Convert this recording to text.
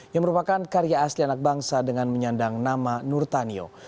yang merupakan karya asli anak bangsa dengan menyandang nama nurtanio